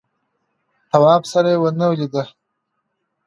تواب سره ونه ولیده.